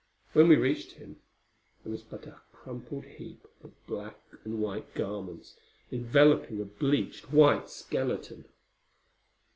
When we reached him, there was but a crumpled heap of black and white garments enveloping a bleached white skeleton.